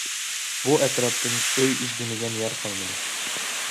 بۇ ئەتراپتىن ئۆي ئىزدىمىگەن يەر قالمىدى.